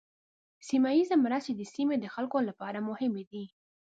سیمه ایزه مرستې د سیمې د خلکو لپاره مهمې دي.